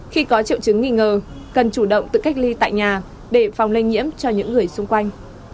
khi có triệu chứng nghi ngờ cần chủ động tự cách ly tại nhà để phòng lây nhiễm cho những người xung quanh